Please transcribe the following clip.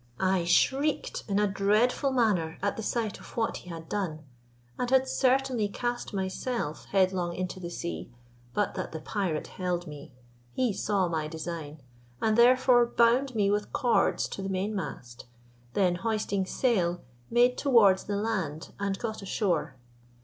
I shrieked in a dreadful manner at the sight of what he had done, and had certainly cast myself headlong into the sea, but that the pirate held me. He saw my design, and therefore bound me with cords to the main mast, then hoisting sail, made towards the land, and got ashore.